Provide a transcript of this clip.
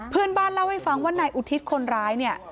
เพื่อนบ้านเล่าให้ฟังว่านายอุทิศคนร้ายเนี่ย